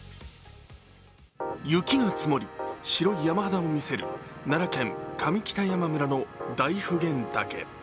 雪が積もり、白い山肌をみせる奈良県上北山村の大普賢岳。